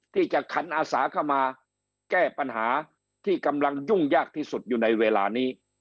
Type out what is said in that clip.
ขันอาสาเข้ามาแก้ปัญหาที่กำลังยุ่งยากที่สุดอยู่ในเวลานี้